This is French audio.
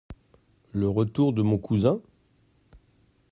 Le retour de mon cousin ?